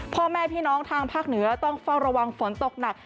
พ่อแม่พี่น้องทางภาคเหนือต้องเฝ้าระวังฝนตกหนัก